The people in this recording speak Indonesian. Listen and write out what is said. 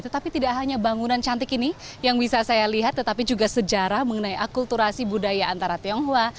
tetapi tidak hanya bangunan cantik ini yang bisa saya lihat tetapi juga sejarah mengenai akulturasi budaya antara tionghoa